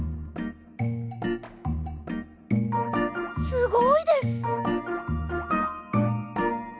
すごいです！